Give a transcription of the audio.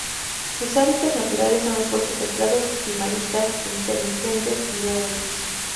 Sus hábitats naturales son los bosques templados y marismas intermitentes de agua dulce.